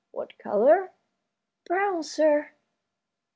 What color?" "Brown, sir."